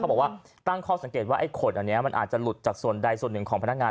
บอกว่าตั้งข้อสังเกตว่าไอ้ขนอันนี้มันอาจจะหลุดจากส่วนใดส่วนหนึ่งของพนักงาน